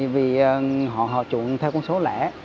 vì họ trụ theo con số lẻ